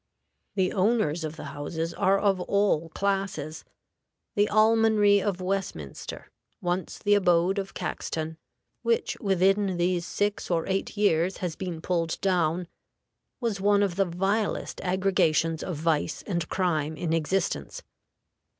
The owners of the houses are of all classes. The Almonry of Westminster, once the abode of Caxton, which within these six or eight years has been pulled down, was one of the vilest aggregations of vice and crime in existence.